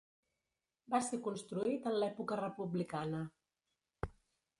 Va ser construït en l'època republicana.